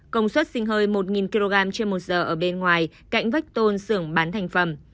công suất sinh hơi một kg trên một giờ ở bên ngoài cạnh vách tôn sưởng bán thành phẩm